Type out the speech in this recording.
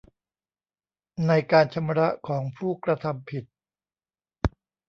ในการชำระของผู้กระทำผิด